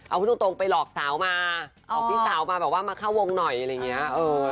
เอาพูดตรงไปหลอกสาวมาออกพี่สาวมาแบบว่ามาเข้าวงหน่อยอะไรอย่างนี้